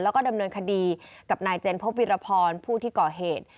แล้วก็ดำเนินคดีกับนายเจนพบวิรพรผู้ที่ก่อเหตุ